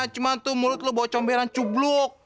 cuma tuh mulut lo bawa comberan cubluk